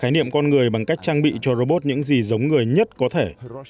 hãy giữ cái niệm con người bằng cách trang bị cho robot những gì giống người nhất có thể